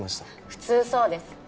普通そうです